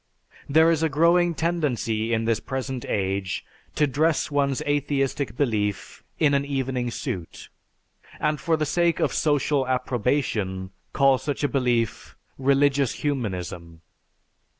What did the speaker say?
There is a growing tendency in this present age to dress one's atheistic belief in an evening suit, and for the sake of social approbation call such a belief "religious humanism."